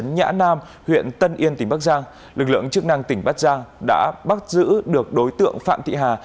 nhã nam huyện tân yên tỉnh bắc giang lực lượng chức năng tỉnh bắc giang đã bắt giữ được đối tượng phạm thị hà